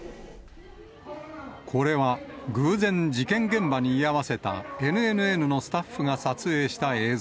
これは、偶然事件現場に居合わせたＮＮＮのスタッフが撮影した映像。